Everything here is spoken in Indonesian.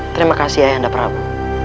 terima kasih ayahanda prabu